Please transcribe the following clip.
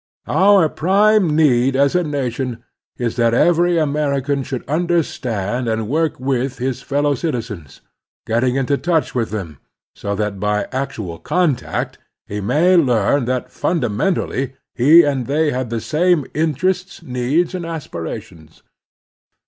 Our prime need as a nation is that every Amer ican should understand and work with his fellow citizens, getting into touch with them, so that by acttial contact he may learn that fundamentally he and they have the same interests, needs, and aspirations.